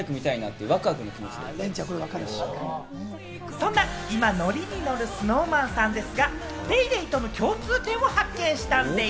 そんな今、ノリにのるＳｎｏｗＭａｎさんですが、『ＤａｙＤａｙ．』との共通点を発見したんです。